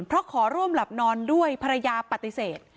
เพราะขอร่วมหลับนอนด้วยภรรยาปฏิเสธ